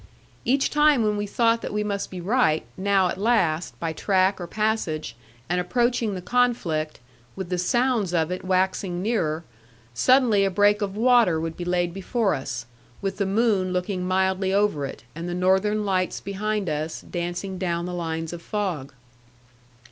Each time when we thought that we must be right, now at last, by track or passage, and approaching the conflict, with the sounds of it waxing nearer, suddenly a break of water would be laid before us, with the moon looking mildly over it, and the northern lights behind us, dancing down the lines of fog.